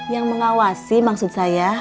yang mengawasi maksud saya